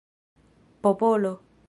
popolo